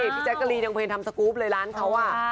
พี่แจ๊กกะรีนยังเพลงทำสกรูปเลยร้านเขา